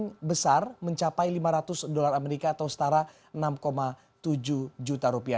yang besar mencapai lima ratus dolar amerika atau setara enam tujuh juta rupiah